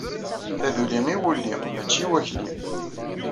Taduli i wulli mačči i wakli.